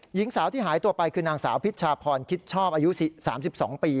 หญิงสาวที่หายตัวไปคือนางสาวพิชชาพรคิดชอบอายุ๓๒ปี